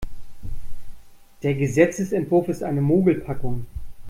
Der Gesetzesentwurf ist eine Mogelpackung.